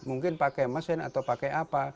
mungkin pakai mesin atau pakai apa